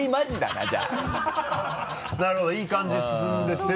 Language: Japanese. なるほどいい感じに進んでて。